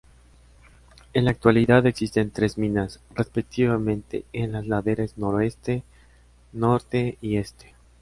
En la actualidad existen tres minas: respectivamente en las laderas noroeste, norte y este.